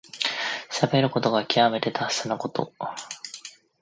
しゃべることがきわめて達者なこと。